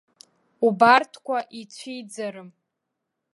Убарҭқәа ицәиӡарым!